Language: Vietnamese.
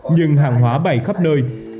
nhưng hàng hóa bày khắp nơi